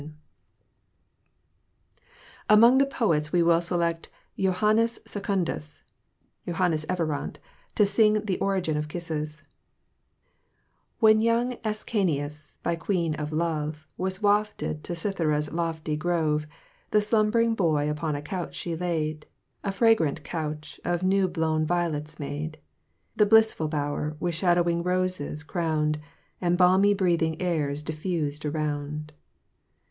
] Among the poets we will select Johannus Secundus (Johannes Everard) to sing to the origin of kisses: When young Ascanius, by Queen of Love, Was wafted to Cythera's lofty grove, The slumbering boy upon a couch she laid, A fragrant couch, of new blown violets made, The blissful bower with shadowing roses crowned, And balmy breathing airs diffused around.